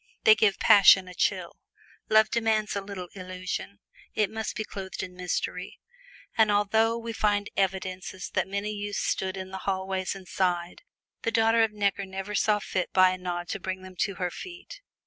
They give passion a chill. Love demands a little illusion; it must be clothed in mystery. And although we find evidences that many youths stood in the hallways and sighed, the daughter of Necker never saw fit by a nod to bring them to her feet.